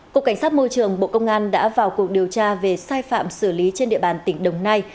cục cảnh sát môi trường bộ công an đã vào cuộc điều tra về sai phạm xử lý trên địa bàn tỉnh đồng nai